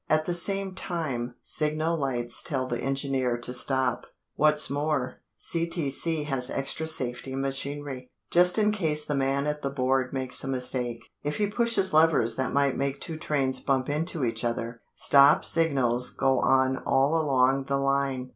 At the same time, signal lights tell the engineer to stop. What's more, CTC has extra safety machinery, just in case the man at the board makes a mistake. If he pushes levers that might make two trains bump into each other, stop signals go on all along the line.